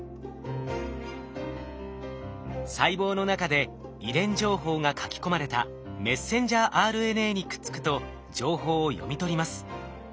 細胞の中で遺伝情報が書き込まれたメッセンジャーＲＮＡにくっつくと情報を読み取ります。